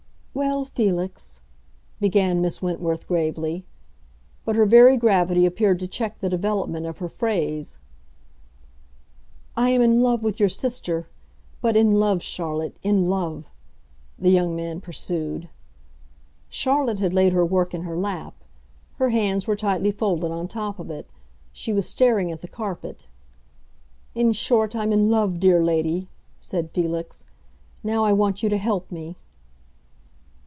"Well, Felix," began Miss Wentworth, gravely. But her very gravity appeared to check the development of her phrase. "I am in love with your sister; but in love, Charlotte—in love!" the young man pursued. Charlotte had laid her work in her lap; her hands were tightly folded on top of it; she was staring at the carpet. "In short, I'm in love, dear lady," said Felix. "Now I want you to help me."